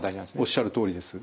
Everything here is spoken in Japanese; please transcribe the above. おっしゃるとおりです。